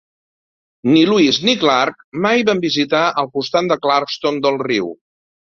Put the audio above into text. Ni Lewis ni Clark mai van visitar el costat de Clarkston del riu.